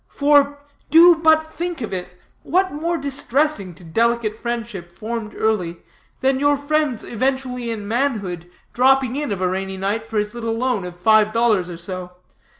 For do but think of it what more distressing to delicate friendship, formed early, than your friend's eventually, in manhood, dropping in of a rainy night for his little loan of five dollars or so?